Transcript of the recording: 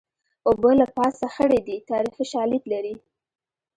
اوبه له پاسه خړې دي تاریخي شالید لري